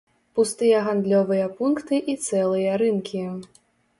Пустыя гандлёвыя пункты і цэлыя рынкі.